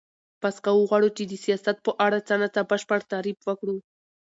پس که وغواړو چی د سیاست په اړه څه نا څه بشپړ تعریف وکړو